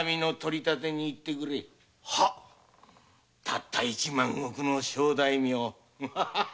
たった一万石の小大名